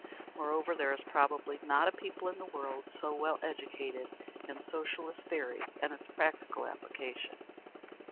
Moreover, there is probably not a people in the world so well educated in Socialist theory and its practical application.